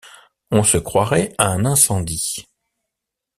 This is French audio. On se croirait à un incendie.